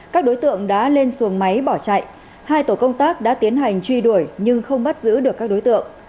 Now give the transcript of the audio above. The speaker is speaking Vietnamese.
các đối tượng đã lên xuồng máy bỏ chạy hai tổ công tác đã tiến hành truy đuổi nhưng không bắt giữ được các đối tượng